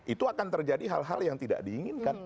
itu akan terjadi hal hal yang tidak diinginkan